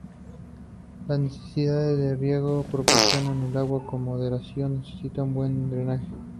Las necesidades de riego: proporcionar el agua con moderación, necesita un buen drenaje.